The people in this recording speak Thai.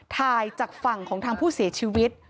ถ่ายจากฝั่งของทางผู้เสียชีวิต